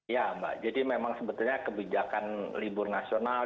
ya mbak jadi memang sebetulnya kebijakan libur nasional